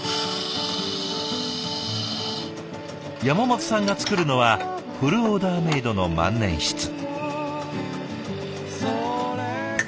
山本さんが作るのはフルオーダーメイドの万年筆。